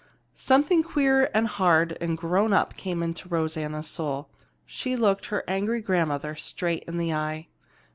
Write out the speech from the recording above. Something queer and hard and grown up came into Rosanna's soul. She looked her angry grandmother straight in the eye.